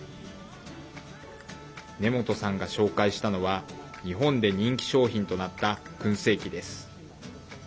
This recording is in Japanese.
根本さんが紹介したのは日本で人気商品となったくん製器です。